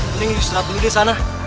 mending diserahkan ke sana